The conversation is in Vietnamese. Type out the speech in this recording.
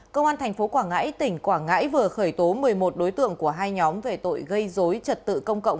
công an tp quảng ngãi tỉnh quảng ngãi vừa khởi tố một mươi một đối tượng của hai nhóm về tội gây dối trật tự công cộng